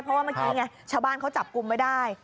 เพราะว่าเมื่อกี้ไงชาวบ้านเขาจับกลุ่มไว้ได้